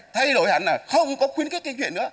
thay đổi hẳn là không có khuyến khích kinh chuyện nữa